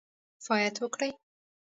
کفایت وکړي.